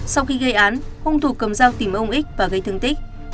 sau khi gây án hung thủ cầm dao tìm ông ích và gây thương tích